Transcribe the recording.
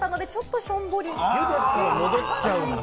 茹でたら戻っちゃうんだ？